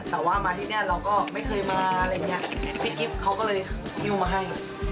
แต่ว่ามาที่เนี่ยเราก็ไม่เคยมาอะไรอย่างเงี้ยพี่กิฟต์เขาก็เลยหิ้วมาให้